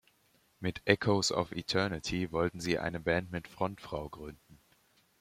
Mit Echoes of Eternity wollten sie eine Band mit Frontfrau gründen.